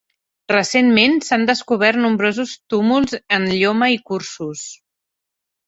Recentment s'han descobert nombrosos túmuls en lloma i cursus.